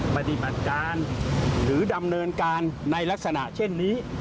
ปฏิบัติการหรือดำเนินการในลักษณะเช่นนี้